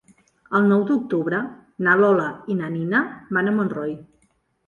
El nou d'octubre na Lola i na Nina van a Montroi.